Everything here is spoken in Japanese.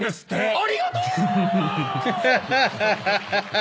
ありがとう！